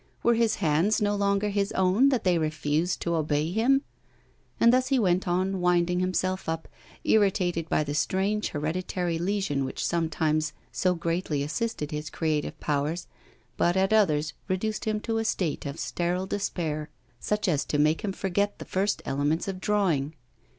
Were his hands no longer his own that they refused to obey him? And thus he went on winding himself up, irritated by the strange hereditary lesion which sometimes so greatly assisted his creative powers, but at others reduced him to a state of sterile despair, such as to make him forget the first elements of drawing.